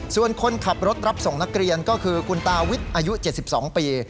ส่วนคนขับรถรับส่งนักเรียนก็คือคุณตาวิทย์อายุ๗๒ปี